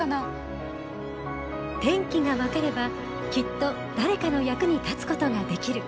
天気が分かればきっと誰かの役に立つことができる。